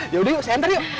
ya udah yuk saya enter yuk